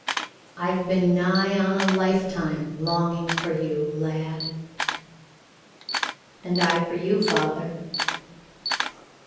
"I've been nigh on to a lifetime longing for you, lad." "And I for you, father."